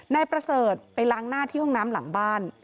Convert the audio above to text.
นายประเสริฐไปล้างหน้าที่ห้องน้ำหลังบ้าน